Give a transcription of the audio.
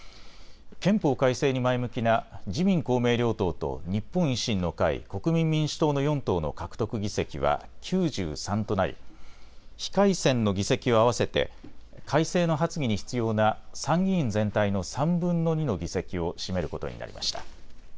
憲法改正に前向きな自民公明両党と日本維新の会、国民民主党の４党の獲得議席は９３となり非改選の議席を合わせて改正の発議に必要な参議院全体の３分の２の議席を占めることになりました。